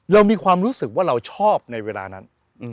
เรามีความรู้สึกว่าเราชอบในเวลานั้น